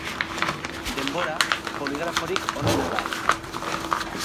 Denbora, poligraforik onena da.